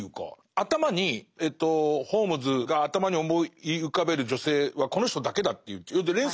頭にホームズが頭に思い浮かべる女性はこの人だけだ」という連載